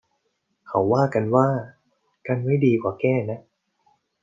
เขาว่ากันว่า กันไว้ดีกว่าแก้นะ